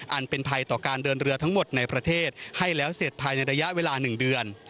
อันเป็นภัยต่อการเดินเรือทั้งหมดในประเทศให้แล้วเสร็จภายในระยะเวลา๑เดือน